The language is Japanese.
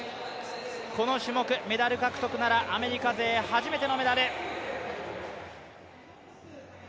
この種目、メダル獲得ならアメリカ勢、初めてのメダル。